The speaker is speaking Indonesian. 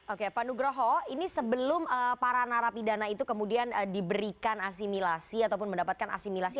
oke pak nugroho ini sebelum para narapidana itu kemudian diberikan asimilasi ataupun mendapatkan asimilasi